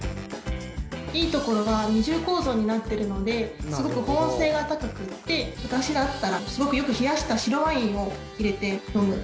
いいところは二重構造になっているのですごく保温性が高くて私だったら、よく冷やした白ワインを入れて飲む。